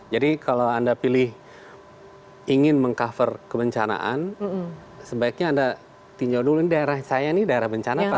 jadi kalau anda pilih ingin meng cover kebencanaan sebaiknya anda tinjau dulu ini daerah saya ini daerah bencana apa enggak